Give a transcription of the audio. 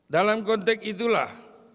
dalam konteks itulah